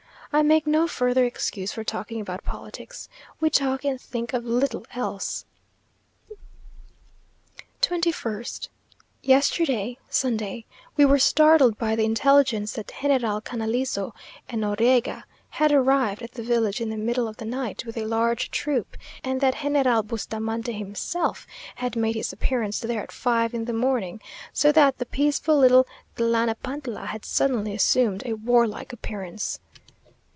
I make no further excuse for talking about politics. We talk and think of little else. 21st. Yesterday (Sunday) we were startled by the intelligence, that Generals Canalizo and Noriega had arrived at the village in the middle of the night, with a large troop, and that General Bustamante himself had made his appearance there at five in the morning: so that the peaceful little Tlanapantla had suddenly assumed a warlike appearance.